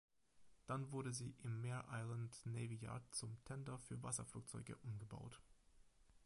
Dann wurde sie im Mare Island Navy Yard zum Tender für Wasserflugzeuge umgebaut.